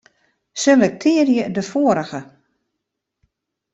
Selektearje de foarige.